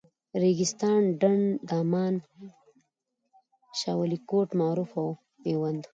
ریګستان، ډنډ، دامان، شاولیکوټ، معروف او میوند.